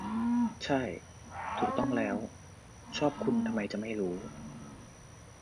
ใช่ ถูกต้องแล้ว ชอบคุณทำไมจะไม่รู้